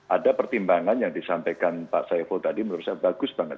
ada pertimbangan yang disampaikan pak saiful tadi menurut saya bagus banget